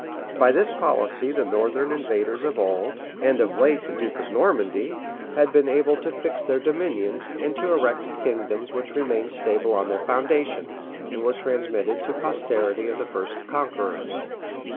By this policy the northern invaders of old, and of late the duke of Normandy, had been able to fix their dominions, and to erect kingdoms which remained stable on their foundations, and were transmitted to the posterity of the first conquerors.